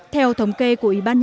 theo thống kê của ybnd